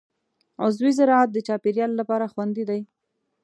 عضوي زراعت د چاپېریال لپاره خوندي دی.